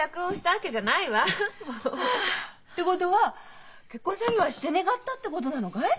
もう。ってことは結婚詐欺はしてねがったってことなのがい？